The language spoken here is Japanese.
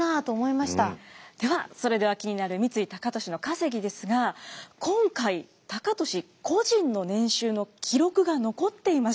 ではそれでは気になる三井高利の稼ぎですが今回高利個人の年収の記録が残っていました。